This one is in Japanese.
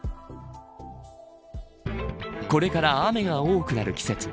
これから雨が多くなる季節。